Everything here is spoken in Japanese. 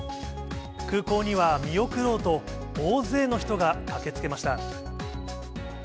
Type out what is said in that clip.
空港には見送ろうと、大勢の人が駆けつけました。